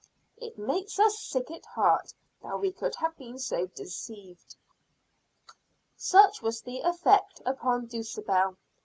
It makes us sick at heart that we could have been so deceived. Such was the effect upon Dulcibel.